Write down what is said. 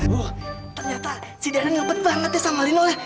wah ternyata si darren ngebet banget ya sama lino ya